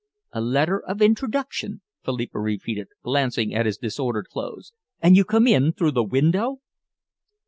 "A letter of introduction," Philippa repeated, glancing at his disordered clothes, "and you come in through the window!"